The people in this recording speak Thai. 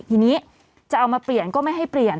ทีนี้จะเอามาเปลี่ยนก็ไม่ให้เปลี่ยน